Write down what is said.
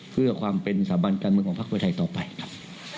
เพื่อกับสถาบันการเมืองของภาคพื้นไทยต่อไปครับ